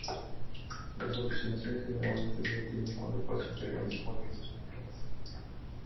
Las alucinaciones generalmente se detienen cuando el paciente realiza movimientos oculares.